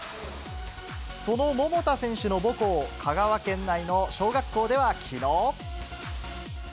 その桃田選手の母校、香川県内の小学校ではきのう。